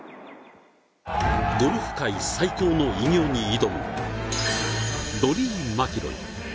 ゴルフ界最高の偉業に挑むロリー・マキロイ。